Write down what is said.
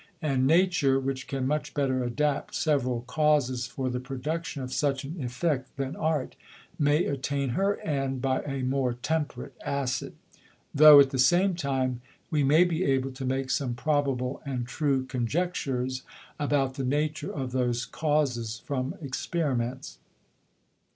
And Nature, which can much better adapt several Causes for the Production of such an Effect than Art, may attain her End by a more temperate Acid; though, at the same time, we may be able to make some probable and true Conjectures about the Nature of those Causes from Experiments.